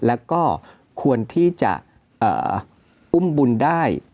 แล้วก็ควรที่จะอุ้มบุญได้